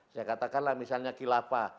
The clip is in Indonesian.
saya katakanlah misalnya kilapa